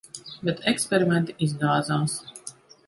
Bet eksperimenti izgāzās.